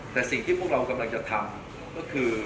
แต่สิ่งที่พวกเรากำลังจะทำก็คือ